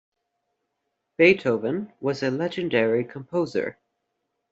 Beethoven was a legendary composer.